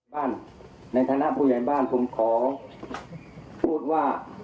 บ้านในฐานะผู้ใหญ่บ้านผมขอพูดว่า